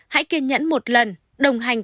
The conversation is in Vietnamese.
hãy kiên nhẫn một lần đồng hành